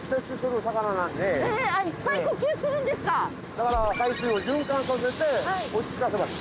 だから海水を循環させて落ち着かせます。